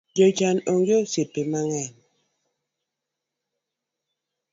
Jochan onge osiepe mang’eny